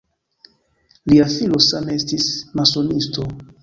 Lia filo same estis masonisto.